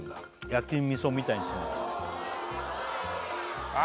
焼きみそみたいにするのあ